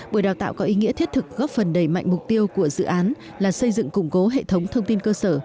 buổi đào tạo có ý nghĩa thiết thực góp phần đầy mạnh mục tiêu của dự án là xây dựng củng cố hệ thống thông tin cơ sở